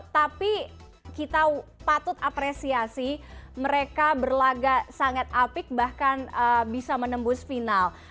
tapi kita patut apresiasi mereka berlaga sangat apik bahkan bisa menembus final